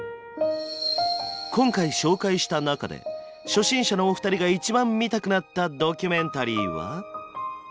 今回紹介した中で初心者のお二人が一番見たくなったドキュメンタリーは？